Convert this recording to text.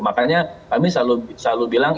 makanya kami selalu bilang